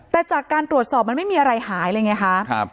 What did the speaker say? แต่จากการตรวจสอบมันไม่มีอะไรหายเลยไงคะ